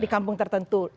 di kampung tertentu